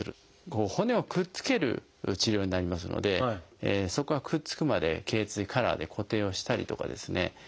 骨をくっつける治療になりますのでそこがくっつくまで頚椎カラーで固定をしたりとかですね